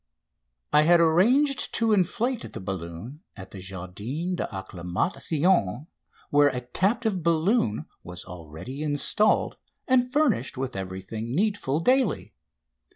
I had arranged to inflate the balloon at the Jardin d'Acclimatation, where a captive balloon was already installed and furnished with everything needful daily.